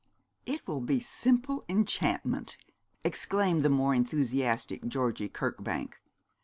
'It will be simple enchantment,' exclaimed the more enthusiastic Georgie Kirkbank.